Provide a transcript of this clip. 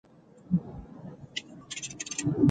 کیا تم نے کبھی اسے غصے میں دیکھا ہے؟